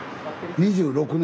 ２６年。